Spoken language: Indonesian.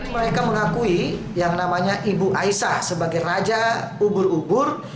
mereka mengakui yang namanya ibu aisah sebagai raja ubur ubur